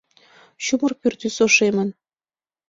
Чумыр пӱртӱс ошемын.